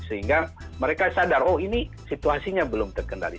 sehingga mereka sadar oh ini situasinya belum terkendali